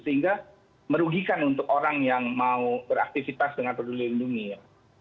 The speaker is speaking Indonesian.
sehingga merugikan untuk orang yang mau beraktivitas dengan peduli lindungi ya